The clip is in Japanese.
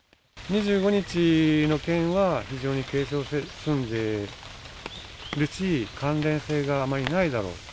２５日の件は、非常に軽傷で済んでいるし、関連性があまりないだろうと。